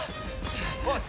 おい！